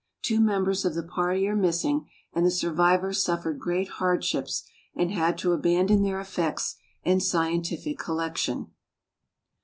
Two members of the party are missing and the survivors suffered great hardships and had to abandon their effects and scientific collection.